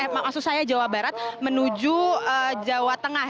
maksud saya jawa barat menuju jawa tengah